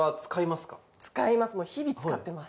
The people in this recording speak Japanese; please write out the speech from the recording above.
日々使ってます。